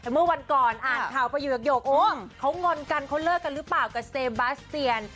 เมื่อวันก่อนอ่านข่าวประโยกโอ้เขางอนกันเขาเลิกกันหรือเปล่ากับเซบาสเตียน